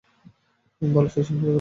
ভালো সূচনা দেখালে।